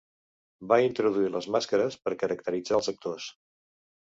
Va introduir les màscares per caracteritzar als actors.